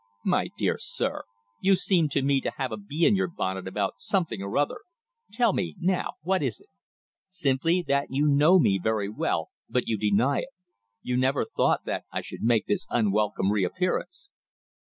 "My dear sir, you seem to me to have a bee in your bonnet about something or other. Tell me, now, what is it?" "Simply that you know me very well, but you deny it. You never thought that I should make this unwelcome reappearance."